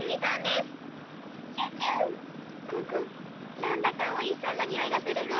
クンクンなんだかおいしそうなにおいがするぞ！